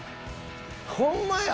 ホンマや！